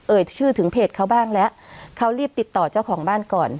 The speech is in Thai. ชื่อถึงเพจเขาบ้างแล้วเขารีบติดต่อเจ้าของบ้านก่อน